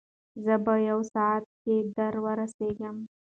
زه به په یو ساعت کې در ورسېږم.